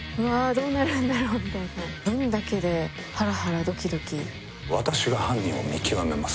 どうなるんだろう？みたいなハラハラドキドキ私が犯人を見極めます